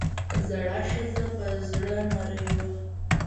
زړه ښځه پۀ زړۀ نرۍ وه ـ